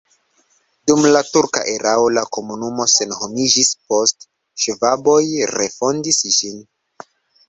Dum la turka erao la komunumo senhomiĝis, poste ŝvaboj refondis ĝin.